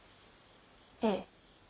ええ。